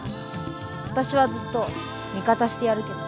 私はずっと味方してやるけどさ。